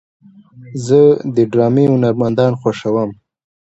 زه د ډرامې هنرمندان خوښوم.